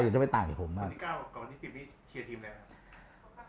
คนที่๙กับคนที่๑๐นี่เชียร์ทีมแล้วนะครับ